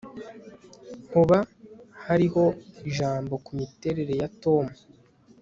Hoba hariho ijambo ku miterere ya Tom